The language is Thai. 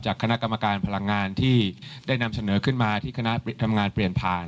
คณะกรรมการพลังงานที่ได้นำเสนอขึ้นมาที่คณะทำงานเปลี่ยนผ่าน